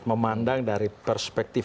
memandang dari perspektif